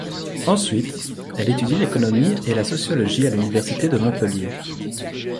Ensuite, elle étudie l'économie et la sociologie à l'université de Montpellier.